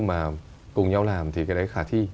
mà cùng nhau làm thì cái đấy khả thi